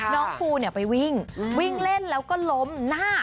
น้องปูไปวิ่งวิ่งเล่นแล้วก็ล้มหน้า